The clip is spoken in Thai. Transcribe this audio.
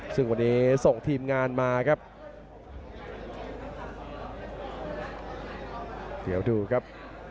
ซึ่งวันนี้ส่งทีมงานมาครับเดี๋ยวดูครับ